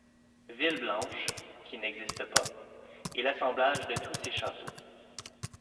Villeblanche, qui n'existe pas, est l'assemblage de tous ces châteaux.